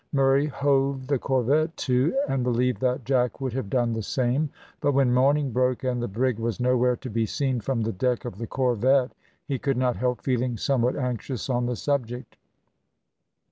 Murray hove the corvette to, and believed that Jack would have done the same, but when morning broke, and the brig was nowhere to be seen from the deck of the corvette, he could not help feeling somewhat anxious on the subject.